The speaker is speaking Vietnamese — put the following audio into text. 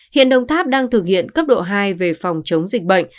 hiện đồng tháp đang thực hiện cấp độ hai về phòng chống dịch bệnh